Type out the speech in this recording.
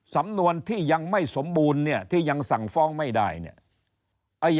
สำนวนที่ยังไม่สมบูรณ์เนี่ยที่ยังสั่งฟ้องไม่ได้เนี่ย